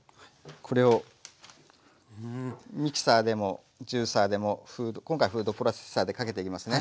これをミキサーでもジューサーでも今回フードプロセッサーでかけていきますね。